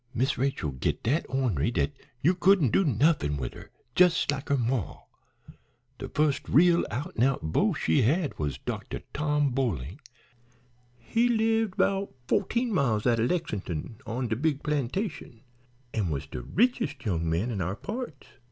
Miss Rachel 'd git dat ornery dat you could n't do nuffin wid her, jes' like her maw. De fust real out an' out beau she had was Dr. Tom Boling. He lived 'bout fo'teen miles out o' Lexin'ton on de big plantation, an' was de richest young man in our parts.